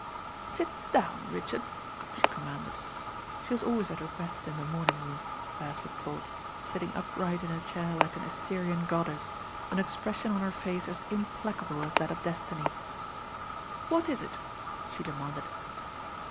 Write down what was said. "Sit down, Richard," she commanded. She was always at her best in the morning room, Beresford thought, sitting upright in her chair like an Assyrian goddess, an egression on her face as implacable as that of Destiny. "What is it?" she demanded.